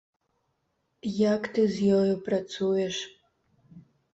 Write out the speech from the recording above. Як ты з ёю працуеш?